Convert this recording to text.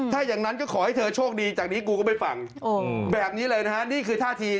ถ้าอย่างนั้นก็ขอให้เธอโชคดีจากนี้กูก็ไม่ฟังแบบนี้เลยนะฮะนี่คือท่าที